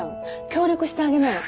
協力してあげなよ。